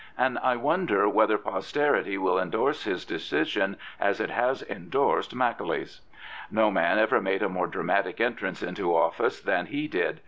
And I wonder whether posterity will endorse his decision as it has endorsed Macaulay's. No man ever made a more dramatic entrance into office than he did.